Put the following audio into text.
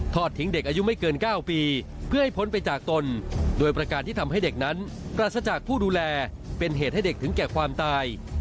ทิ้งเด็กอายุไม่เกิน๙ปีเพื่อให้พ้นไปจากตนโดยประการที่ทำให้เด็กนั้นปราศจากผู้ดูแลเป็นเหตุให้เด็กถึงแก่ความตาย